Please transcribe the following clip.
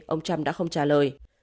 ông trump đã không trả lời